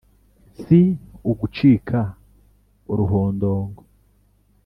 si ugucika uruhondogo